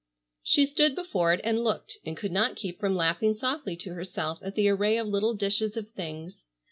She stood before it and looked, and could not keep from laughing softly to herself at the array of little dishes of things.